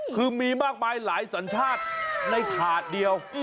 คือมีมากมายหลายสัญชาติในถาดเดียว